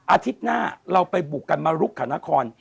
อาทิตย์หน้าเราไปบุกกันมาลุกขานคร